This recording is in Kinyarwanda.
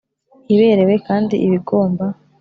iberewe kandi ibigomba